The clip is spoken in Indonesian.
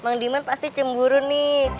bang diman pasti cemburu nih